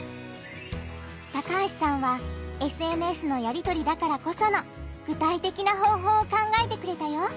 高橋さんはＳＮＳのやりとりだからこその具体的な方法を考えてくれたよ！